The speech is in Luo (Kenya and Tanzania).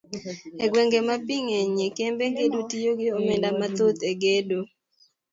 E gwenge ma pii ng'enyie, kembe gedo tiyo gi omenda mathoth e gedo.